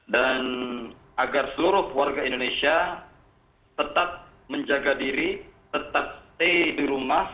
dan agar seluruh keluarga indonesia tetap menjaga diri tetap stay di rumah